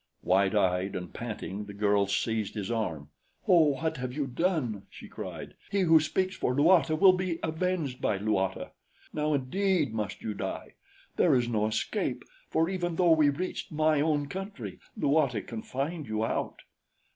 Wide eyed and panting the girl seized his arm. "Oh, what have you done?" she cried. "He Who Speaks for Luata will be avenged by Luata. Now indeed must you die. There is no escape, for even though we reached my own country Luata can find you out."